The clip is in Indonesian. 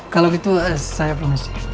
kalau gitu saya promise you